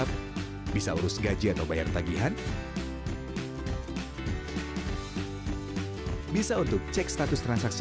terima kasih banyak